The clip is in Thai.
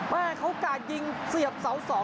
มากันเขาการยิงเสียบเสาสอง